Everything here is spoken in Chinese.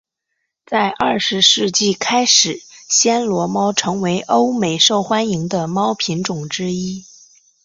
在二十世纪开始暹罗猫已成为欧美受欢迎的猫品种之一。